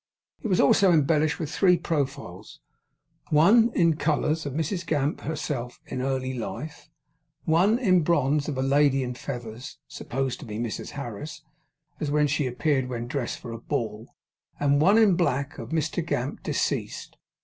It was also embellished with three profiles: one, in colours, of Mrs Gamp herself in early life; one, in bronze, of a lady in feathers, supposed to be Mrs Harris, as she appeared when dressed for a ball; and one, in black, of Mr Gamp, deceased.